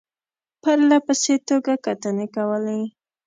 پرله پسې توګه کتنې کولې.